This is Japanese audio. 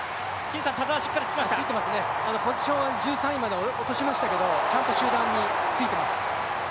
ポジションは１３位まで落としましたけれども、ちゃんと集団についています。